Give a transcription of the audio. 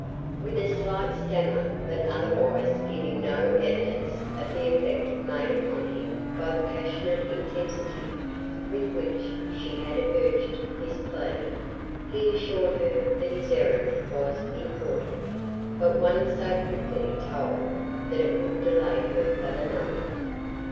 With a slight stammer but otherwise giving no evidence of the effect made upon him by the passionate intensity with which she had urged this plea, he assured her that his errand was important, but one so quickly told that it would delay her but a moment.